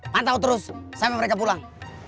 pantau terus sampai mereka pulang